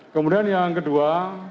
kemudian yang kedua